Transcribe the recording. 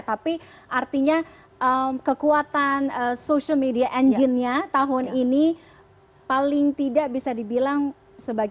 tapi artinya kekuatan social media engine nya tahun ini paling tidak bisa dibilang sebagai